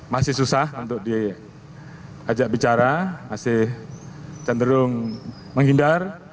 masih susah untuk diajak bicara masih cenderung menghindar